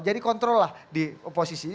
jadi kontrol lah di posisi